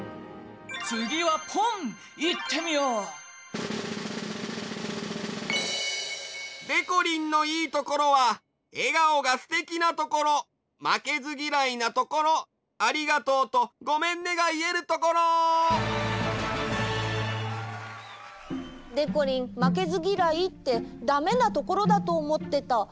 つぎはポンいってみよう！でこりんのいいところはえがおがすてきなところまけずぎらいなところ「ありがとう」と「ごめんね」がいえるところ！でこりんまけずぎらいってダメなところだとおもってた。